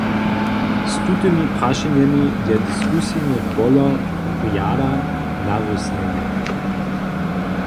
Z tutymi prašenjemi je diskusijne polo rjada narysnjene.